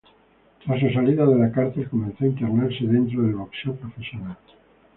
Tras su salida de la cárcel comenzó a internarse dentro del boxeo profesional.